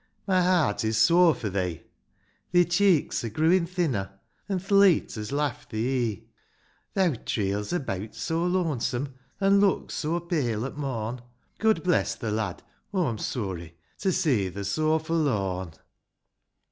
My heart is sore for thee ; Thi cheeks are grooin' thinner, An' th' leet has laft thi e'e ;' Theaw trails abeawt so lonesome, An' looks so pale at morn ; God bless tho, lad, aw'm sooty' To see tho so forlorn.